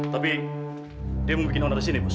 tapi dia mau bikin orang dari sini bos